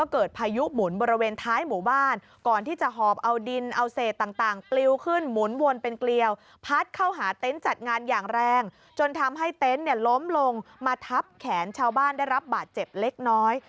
แขนชาวบ้านได้รับบาดเจ็บเล็กน้อย